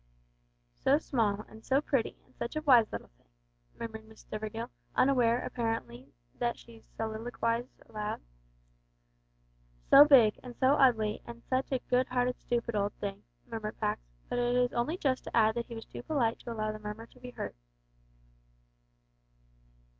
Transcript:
"So small, and so pretty, and such a wise little thing," murmured Miss Stivergill, unaware, apparently, that she soliloquised aloud. "So big, and so ugly, and such a good hearted stoopid old thing!" murmured Pax; but it is only just to add that he was too polite to allow the murmur to be heard.